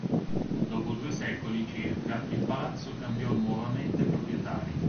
Dopo due secoli circa il palazzo cambiò nuovamente proprietari.